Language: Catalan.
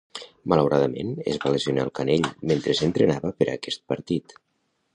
Malauradament, es va lesionar el canell mentre s'entrenava per a aquest partit.